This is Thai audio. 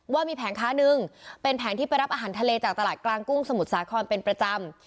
ว่ามีแผงค้านึงเป็นแผงที่ไปรับอาหารทะเลจากตลาดกลางกุ้งสมุทรสาครเป็นประจำ